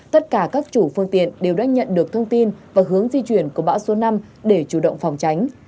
tất cả các chủ phương tiện đều đã nhận được thông tin và hướng di chuyển của bão số năm để chủ động phòng tránh